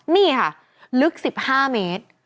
นี่ค่ะลึก๑๕เมตร